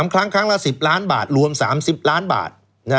ครั้งครั้งละ๑๐ล้านบาทรวม๓๐ล้านบาท